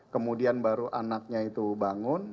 kemudian baru anaknya itu bangun